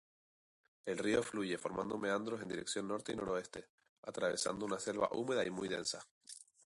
El río fluye formando meandros en dirección norte-noroeste, atravesando una selva húmeda muy densa.